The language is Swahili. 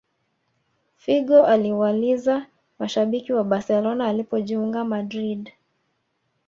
Figo aliwaliza mashabiki wa barcelona alipojiunga madrid